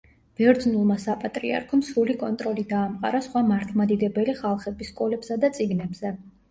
ბერძნულმა საპატრიარქომ სრული კონტროლი დაამყარა, სხვა მართმადიდებელი ხალხების სკოლებსა და წიგნებზე.